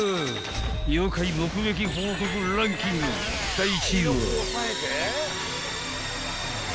［第１位は］